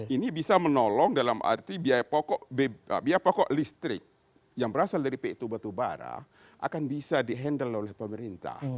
ini bisa menolong dalam arti biaya pokok listrik yang berasal dari p dua batubara akan bisa di handle oleh pemerintah